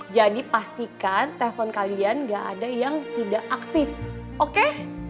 jadi pastikan telepon kalian gak ada yang tidak aktif oke